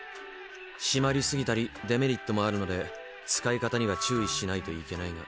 締まりすぎたりデメリットもあるので使い方には注意しないといけないが。